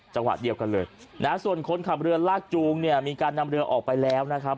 จังหวะเดียวกันเลยนะฮะส่วนคนขับเรือลากจูงเนี่ยมีการนำเรือออกไปแล้วนะครับ